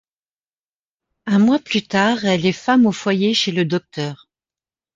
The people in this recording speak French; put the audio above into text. Un mois plus tard, elle est femme au foyer chez le docteur.